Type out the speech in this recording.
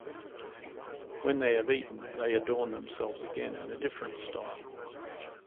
When they have eaten, they adorn themselves again in a different style.